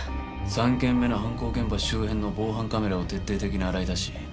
３件目の犯行現場周辺の防犯カメラを徹底的に洗い出し